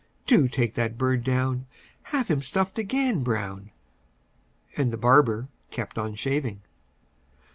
Do take that bird down; Have him stuffed again, Brown!" And the barber kept on shaving.